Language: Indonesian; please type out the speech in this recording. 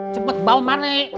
cepet bau manik